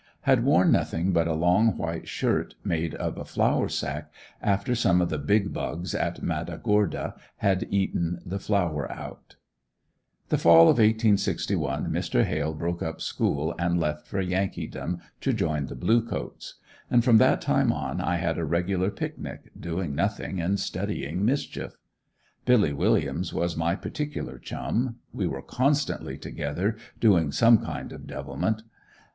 Had worn nothing but a long white shirt made of a flour sack after some of the "big bugs" in Matagorda had eaten the flour out. The fall of 1861 Mr. Hale broke up school and left for Yankeedom to join the blue coats. And from that time on I had a regular picnic, doing nothing and studying mischief. Billy Williams was my particular chum; we were constantly together doing some kind of devilment.